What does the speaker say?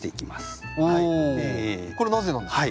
おこれなぜなんでしょう？